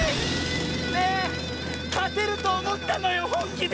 ねえかてるとおもったのよほんきで！